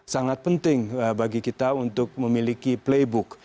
sangat penting bagi kita untuk memiliki playbook